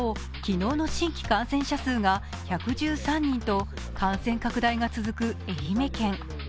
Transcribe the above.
一方、昨日の新規感染者数が１１３人と感染拡大が続く愛媛県。